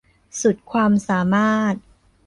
สุดความสามารถ